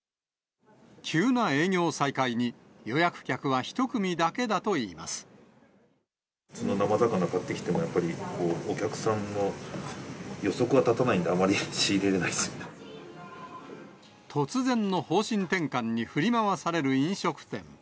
急な営業再開に、予約客は１生魚買ってきても、やっぱりお客さんの予測は立たないんで、突然の方針転換に、振り回される飲食店。